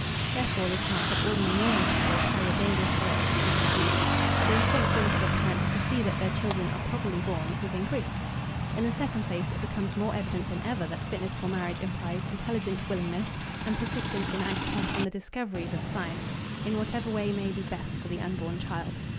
Therefore the chance that ordinary normal people carry a dangerous heredity is reduced, but the responsibility of parents to see that their children are properly born is increased. In the second place, it becomes more evident than ever that fitness for marriage implies intelligent willingness and persistence in acting upon the discoveries of science in whatever way may be best for the unborn child.